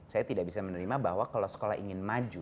saya tidak bisa menerima bahwa kalau sekolah ingin maju